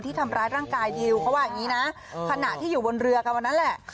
ทำร้ายร่างกายดิวเขาว่าอย่างนี้นะขณะที่อยู่บนเรือกันวันนั้นแหละ